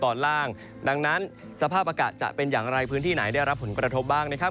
ตอนล่างดังนั้นสภาพอากาศจะเป็นอย่างไรพื้นที่ไหนได้รับผลกระทบบ้างนะครับ